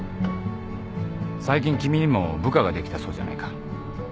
最近君にも部下ができたそうじゃないか。